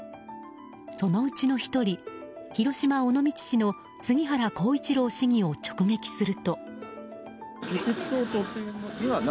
そのうちの１人、広島・尾道市の杉原孝一郎市議を直撃すると。